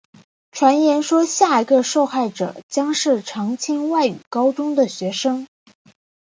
传言说下一个受害者将是常青外语高中的学生。